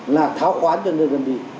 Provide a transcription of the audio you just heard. là tháo khoán cho người dân đi